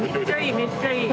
めっちゃいい。